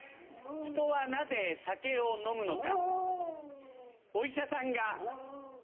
人はなぜ酒を飲むのか？